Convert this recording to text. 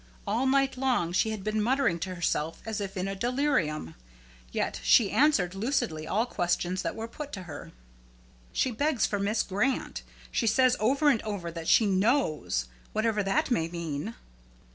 All night long she had been muttering to herself as if in a delirium. Yet she answered lucidly all questions that were put to her. "She begs for Miss Grant. She says over and over that she 'knows,' whatever that may mean."